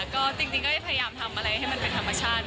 ก็จริงก็พยายามทำอะไรให้มันเป็นธรรมชาติ